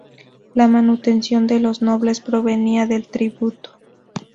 La manutención de los nobles provenía del tributo.